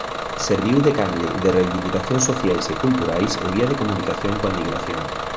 Serviu de canle de reivindicacións sociais e culturais e vía de comunicación coa emigración.